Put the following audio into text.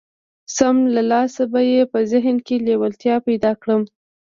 سم له لاسه به يې په ذهن کې لېوالتيا پيدا کړم.